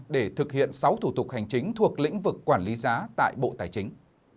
để thực hiện sáu thủ tục hành chính thuộc lĩnh vực quản lý giá tại bộ tài chính